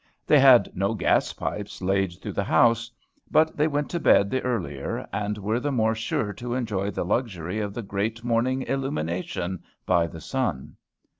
They had no gas pipes laid through the house. But they went to bed the earlier, and were the more sure to enjoy the luxury of the great morning illumination by the sun.